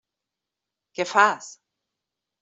Què fas?